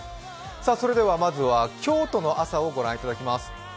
それでは京都の朝をご覧いただきます。